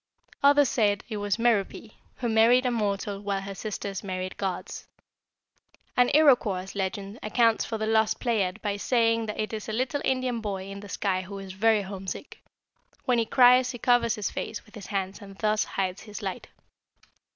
Others said it was Merope, who married a mortal while her sisters married gods. "An Iroquois legend accounts for the Lost Pleiad by saying it is a little Indian boy in the sky who is very homesick. When he cries he covers his face with his hands and thus hides his light."